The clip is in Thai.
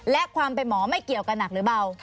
และความเป็นหมอไม่เกี่ยวกับหนักหรือเบา